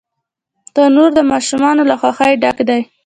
تنور د ماشومانو له خوښۍ ډک دی